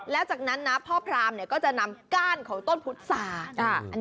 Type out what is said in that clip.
แล้วจากนั้นนะพ่อพรามเนี่ยก็จะนำก้านของต้นพุทธศาสตร์